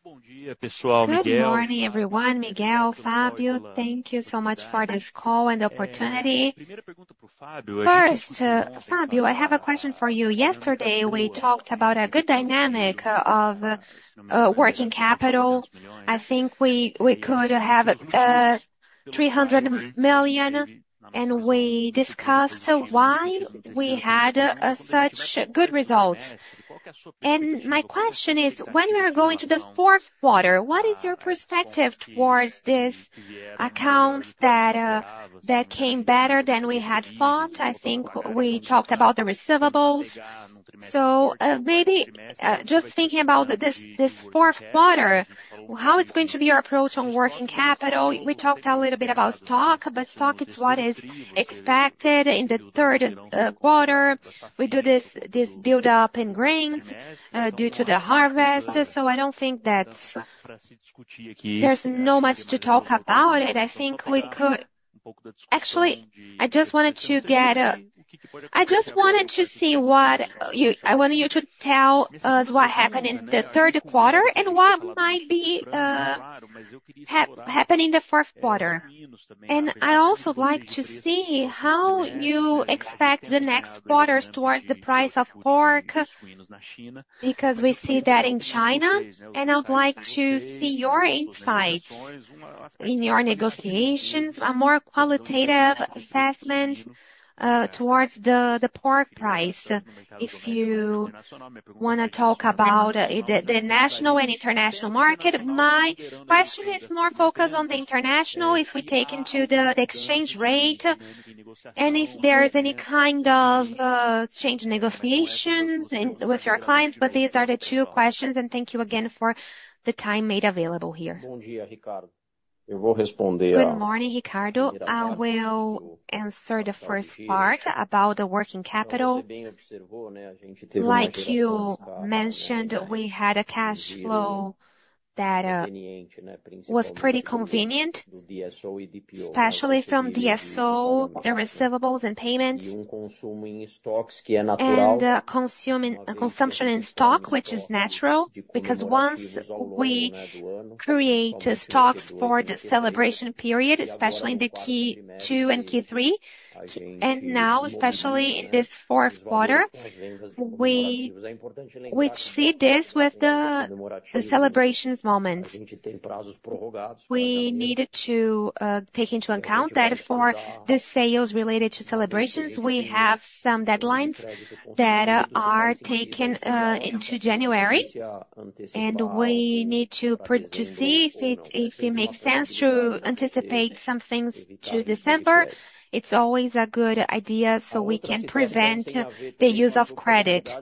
Bom dia, pessoal. Good morning, everyone. Miguel, Fabio, thank you so much for this call and the opportunity. First, Fabio, I have a question for you. Yesterday, we talked about a good dynamic of working capital. I think we could have 300 million, and we discussed why we had such good results, and my question is, when we are going to the fourth quarter, what is your perspective towards these accounts that came better than we had thought? I think we talked about the receivables. So maybe just thinking about this fourth quarter, how it's going to be our approach on working capital. We talked a little bit about stock, but stock is what is expected in the third quarter. We do this build-up in grains due to the harvest. So I don't think that there's not much to talk about it. I think we could actually. I just wanted to see. I want you to tell us what happened in the third quarter and what might be happening in the fourth quarter. I also like to see how you expect the next quarters towards the price of pork because we see that in China. I would like to see your insights in your negotiations, a more qualitative assessment towards the pork price. If you want to talk about the national and international market, my question is more focused on the international if we take into the exchange rate and if there is any kind of change in negotiations with your clients, but these are the two questions. Thank you again for the time made available here. [unintelligible] Eu vou responder. Good morning, Ricardo. [unintelligible] I will answer the first part about the working capital. Like you mentioned, we had a cash flow that was pretty convenient, especially from DSO, the receivables and payments, and consumption in stock, which is natural because once we create stocks for the celebration period, especially in the Q2 and Q3, and now, especially in this fourth quarter, we see this with the celebrations moments. We needed to take into account that for the sales related to celebrations, we have some deadlines that are taken into January, and we need to see if it makes sense to anticipate some things to December. It's always a good idea so we can prevent the use of credit.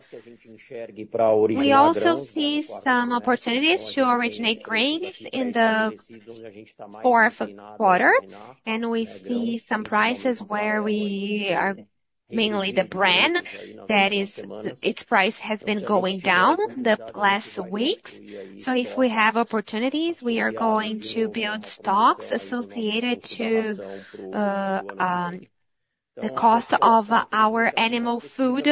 We also see some opportunities to originate grains in the fourth quarter. And we see some prices where we are mainly the brand that its price has been going down the last weeks. So if we have opportunities, we are going to build stocks associated to the cost of our animal food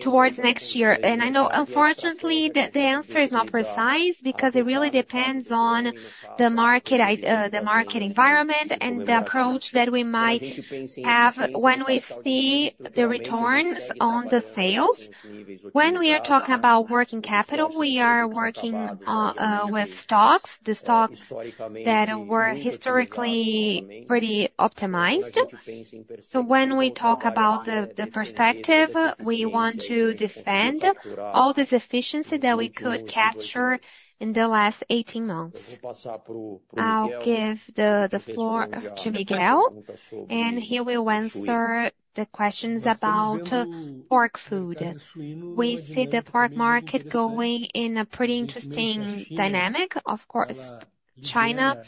towards next year. And I know, unfortunately, the answer is not precise because it really depends on the market environment and the approach that we might have when we see the returns on the sales. When we are talking about working capital, we are working with stocks, the stocks that were historically pretty optimized. So when we talk about the perspective, we want to defend all this efficiency that we could capture in the last 18 months. I'll give the floor to Miguel, and he will answer the questions about pork food. We see the pork market going in a pretty interesting dynamic. Of course, China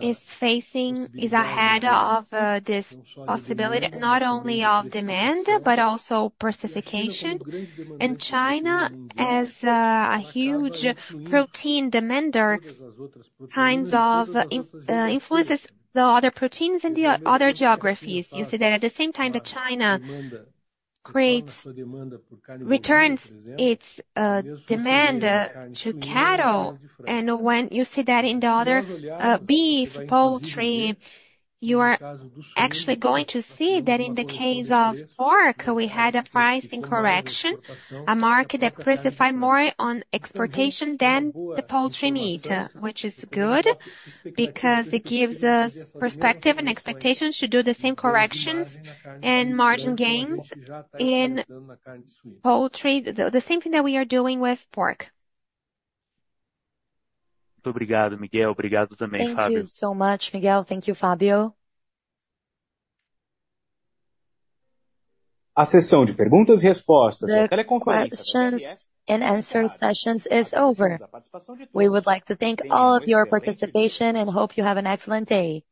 is ahead of this possibility, not only of demand, but also diversification. And China, as a huge protein demander, kind of influences the other proteins in the other geographies. You see that at the same time that China returns its demand to cattle. And when you see that in the other beef, poultry, you are actually going to see that in the case of pork, we had a pricing correction, a market that diversified more on exportation than the poultry meat, which is good because it gives us perspective and expectations to do the same corrections and margin gains in poultry, the same thing that we are doing with pork. Obrigado, Miguel. Obrigado também, Fabio. Thank you so much, Miguel. Thank you, Fabio. A sessão de perguntas e respostas da teleconferência. Questions and answers session is over. We would like to thank all of your participation and hope you have an excellent day.